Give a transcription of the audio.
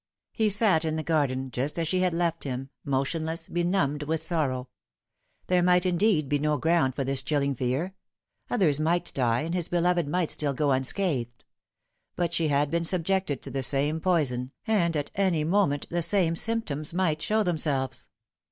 He sat in the garden, just as she had left him, motionless, benumbed with sorrow. There might, indeed, be no ground for this chilling fear ; others might die, and his beloved might still go unscathed. But she had been subjected to the same poison, and at any moment the same symptoms might show themselves.